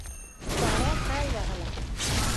خورا ښه یې وهله.